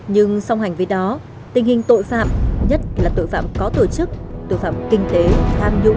nhưng song hành với đó tình hình tội phạm nhất là tội phạm có tổ chức tội phạm kinh tế tham nhũng